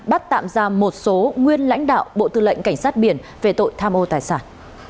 bắt tạm ra một số nguyên lãnh đạo bộ tư lệnh cảnh sát biển về tội tham ô tài sản